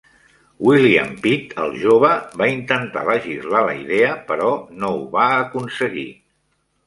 William Pitt "El Jove" va intentar legislar la idea però no ho va aconseguir.